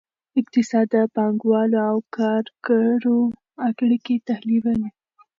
اقتصاد د پانګوالو او کارګرو اړیکې تحلیلوي.